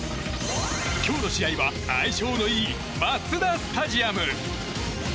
今日の試合は相性のいいマツダスタジアム。